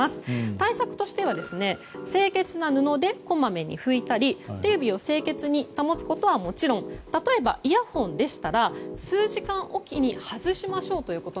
対策としては清潔な布でこまめに拭いたり手指を清潔に保つことはもちろん例えば、イヤホンでしたら数時間おきに外しましょうと。